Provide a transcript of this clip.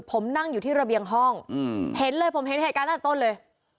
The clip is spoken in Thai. ผมนั่งอยู่ที่ระเบียงห้องเห็นเลยผมเห็นเหตุการณ์ตั้งแต่ต้นเลย